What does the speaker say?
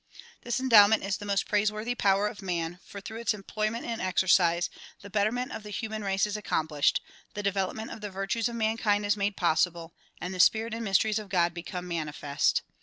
This endowment is the most praiseworthy power of man, for through its employment and exercise, the betterment of the human race is accomplished, the development of the virtues of mankind is made possible and the spirit and mysteries of God become mani fest.